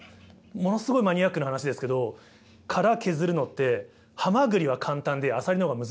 ものすごいマニアックな話ですけど殻削るのってハマグリは簡単でアサリの方が難しいんですよ。